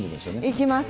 行きます。